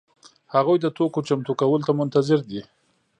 هغوی د توکو چمتو کولو ته منتظر دي.